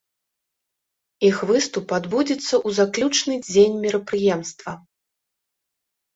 Іх выступ адбудзецца ў заключны дзень мерапрыемства.